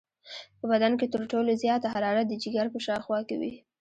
په بدن کې تر ټولو زیاته حرارت د جگر په شاوخوا کې وي.